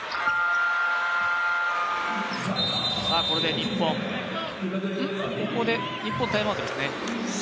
これで日本ここで日本タイムアウトですね。